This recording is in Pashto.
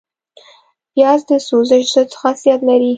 پیاز د سوزش ضد خاصیت لري